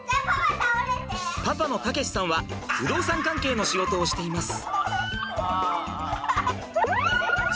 パパの健さんは不動産関係の仕事をしています。